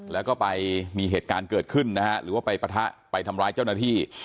แล้วก็ไปมีเหตุการณ์เกิดขึ้นนะฮะหรือว่าไปปะทะไปทำร้ายเจ้าหน้าที่